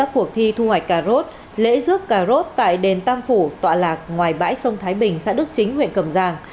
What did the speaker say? cuộc thi thu hoạch cà rốt lễ rước cà rốt tại đền tam phủ tọa lạc ngoài bãi sông thái bình xã đức chính huyện cầm giang